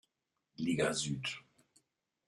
Liga Süd.